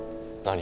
何？